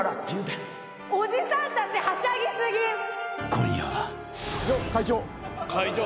［今夜は］